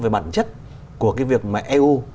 về bản chất của cái việc mà eu